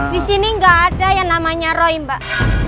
disini nggak ada yang namanya roy mbak